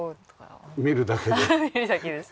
はい見るだけです。